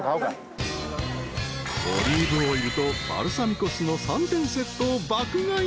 ［オリーブオイルとバルサミコ酢の３点セットを爆買い］